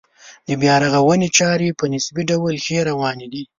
د بیا رغونې چارې په نسبي ډول ښې روانې دي.